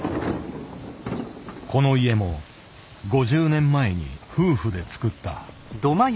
この家も５０年前に夫婦で造った。